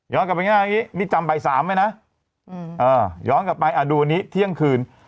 ย้อนกลับไปเมื่อกี้นี่จำบ่าย๓ไหมนะย้อนกลับไปดูวันนี้เที่ยงคืน